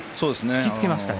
突きつけましたね。